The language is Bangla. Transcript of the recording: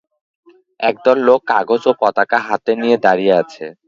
একদল লোক কাগজ ও পতাকা হাতে নিয়ে দাঁড়িয়ে আছে।